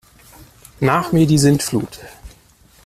Nach mir die Sintflut!